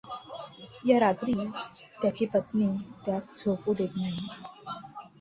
या रात्री त्याची पत्नी त्यास झोपू देत नाही.